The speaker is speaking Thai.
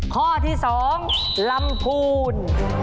ข้อที่๒ลำพูน